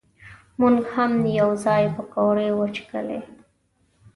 مونږ هم یو ځای پکوړې وچکچلې.